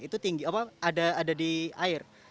itu tinggi apa ada di air